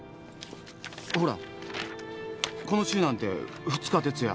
ほらこの週なんて２日徹夜。